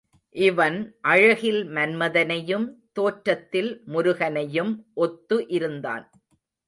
இவன் அழகில் மன்மதனையும் தோற்றத்தில் முருகனையும் ஒத்து இருந்தான்.